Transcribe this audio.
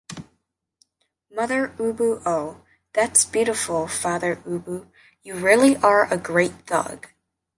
Mother Ubu Oh! That’s beautiful, father Ubu. You really are a great thug.